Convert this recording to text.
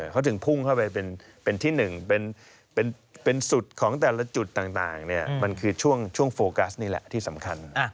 เขาถึงพุ่งเข้าไปเป็นที่หนึ่งเป็นสุดของแต่ละจุดต่างมันคือช่วงโฟกัสนี่แหละที่สำคัญ